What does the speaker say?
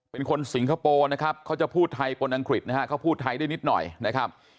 เป็นคนสิงคโปร์นะครับเขาจะพูดไทยปนอังกฤษนะฮะเขาพูดไทยได้นิดหน่อยนะครับ